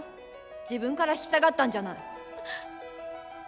自分から引き下がったんじゃない。